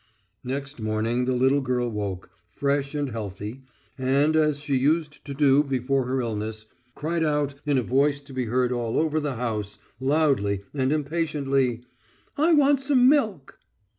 Next morning the little girl woke, fresh and healthy, and as she used to do before her illness, cried out, in a voice to be heard all over the house, loudly and impatiently: "I want some milk."